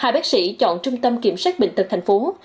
hai bác sĩ chọn trung tâm kiểm soát bệnh tật thành phố